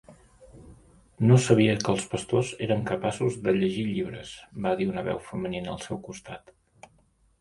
"No sabia que els pastors eren capaços de llegir llibres", va dir una veu femenina al seu costat.